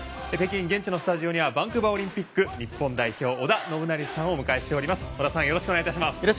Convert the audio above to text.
北京現地のスタジオにはバンクーバーオリンピック日本代表、織田信成さんをお迎えしております。